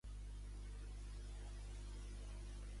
A o de mal borràs.